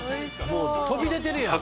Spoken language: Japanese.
もう飛び出てるやん。